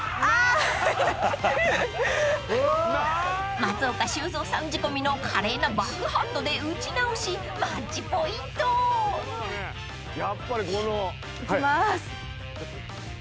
［松岡修造さん仕込みの華麗なバックハンドで打ち直しマッチポイント］いきます。